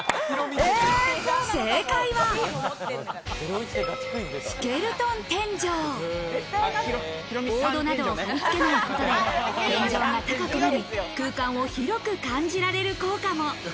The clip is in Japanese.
ボードなどを貼りつけないことで、天井が高くなり、空間を広く感じられる効果も。